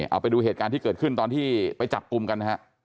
เอาไปดูเหตุการณ์ที่เกิดขึ้นตอนที่ไปจับกลุ่มกันนะฮะ